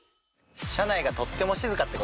車内がとっても静かってこと？